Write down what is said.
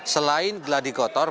selain geladi kotor